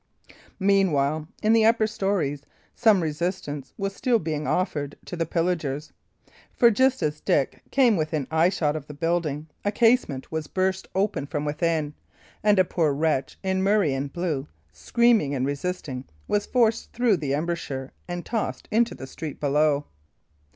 Meanwhile, in the upper storeys, some resistance was still being offered to the pillagers; for just as Dick came within eyeshot of the building, a casement was burst open from within, and a poor wretch in murrey and blue, screaming and resisting, was forced through the embrasure and tossed into the street below.